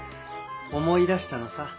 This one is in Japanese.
思い出したのさ。